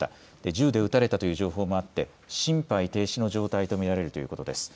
銃で撃たれたという情報もあって心肺停止の状態と見られるということです。